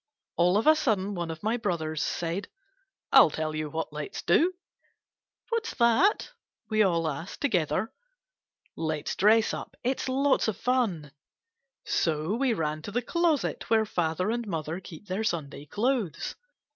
All of a sudden one of my brothers said, * I '11 tell you what let 's do !'* What's that?' we all asked together. *Let 's dress up! It's lots of fun.' So we ran; to the closet where father and mother keep their Sunday clothes.